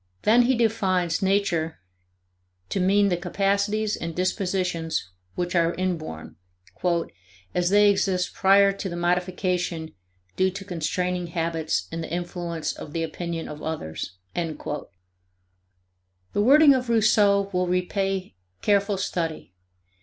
Then he defines Nature to mean the capacities and dispositions which are inborn, "as they exist prior to the modification due to constraining habits and the influence of the opinion of others." The wording of Rousseau will repay careful study.